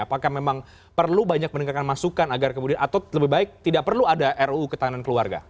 apakah memang perlu banyak mendengarkan masukan agar kemudian atau lebih baik tidak perlu ada ruu ketahanan keluarga